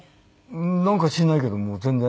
なんか知らないけども全然。